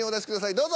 どうぞ。